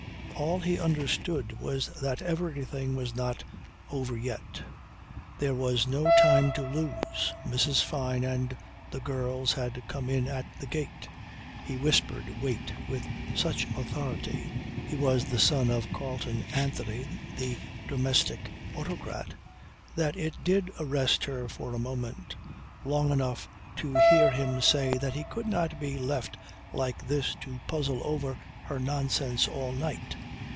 All he understood was that everything was not over yet. There was no time to lose; Mrs. Fyne and the girls had come in at the gate. He whispered "Wait" with such authority (he was the son of Carleon Anthony, the domestic autocrat) that it did arrest her for a moment, long enough to hear him say that he could not be left like this to puzzle over her nonsense all night.